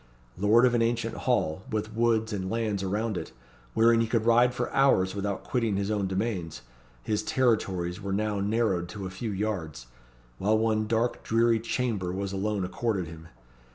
Lord of an ancient hall, with woods and lands around it, wherein he could ride for hours without quitting his own domains, his territories were now narrowed to a few yards; while one dark, dreary chamber was alone accorded him.